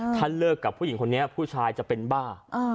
ถ้าเลิกกับผู้หญิงคนนี้ผู้ชายจะเป็นบ้า